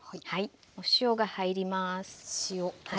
お塩が入ります。